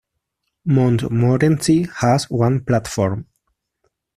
Montmorency has one platform.